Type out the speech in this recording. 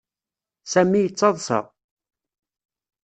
Sami yettaḍsa.